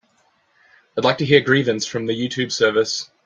I'd like to hear Grievance from the Youtube service